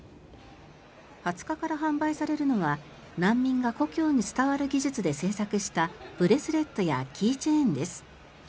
２０日から販売されるのは難民が故郷に伝わる技術で制作したブレスレットやキーチェーンです。